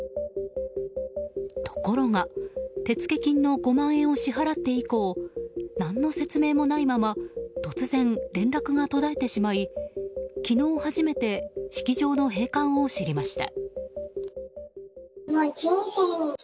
ところが手付金の５万円を支払って以降何の説明もないまま突然、連絡が途絶えてしまい昨日初めて式場の閉館を知りました。